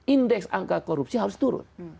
indeks angka korupsi harus turun